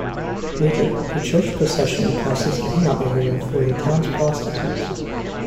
Later, a church procession passes the hangout area for the town prostitutes.